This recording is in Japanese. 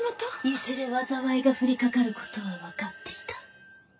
いずれ災いが降りかかる事はわかっていた